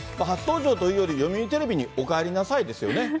初登場というより、読売テレビにおかえりなさいですよね。